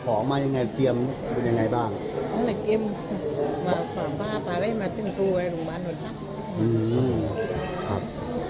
ของพ่อป้าป่าเล่นมาเตรียมตัวยังไงบ้างครับ